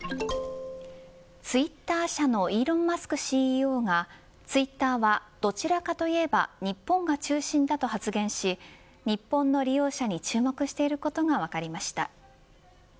ツイッター社のイーロン・マスクＣＥＯがツイッターは、どちらかといえば日本が中心だと発言し日本の利用者に注目していることが分かりました。